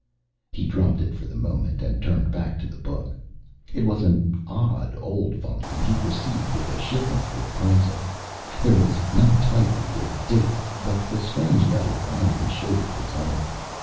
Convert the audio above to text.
He dropped it for the moment and turned back to the book. It was an odd old volume he'd received with a shipment for appraisal. There was no title or date, but the strange leather binding showed it was old.